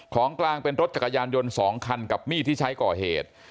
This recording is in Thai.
ของกลางเป็นรถจักรยานยนต์๒คันกับมีดที่ใช้ก่อเหตุ